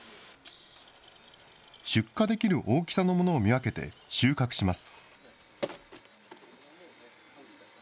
出荷できる大きさのものを見分けて、収穫します。